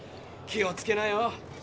気をつけなよ。